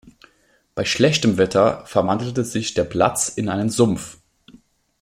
Bei schlechtem Wetter verwandelte sich der Platz in einen Sumpf.